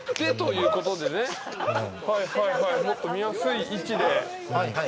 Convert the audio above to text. もっと見やすい位置で。